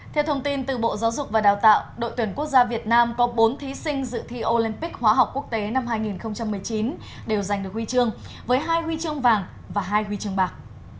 theo thông tin từ bộ giáo dục và đào tạo đội tuyển quốc gia việt nam có bốn thí sinh dự thi olympic hóa học quốc tế năm hai nghìn một mươi chín đều giành được huy chương với hai huy chương vàng và hai huy chương bạc